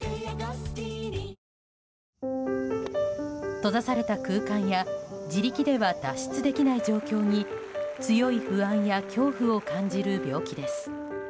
閉ざされた空間や自力では脱出できない状況に強い不安や恐怖を感じる病気です。